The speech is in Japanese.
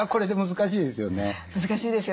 難しいですよね。